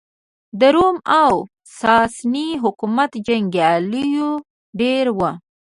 د روم او ساسا ني حکومت جنګیالېیو ډېر وو.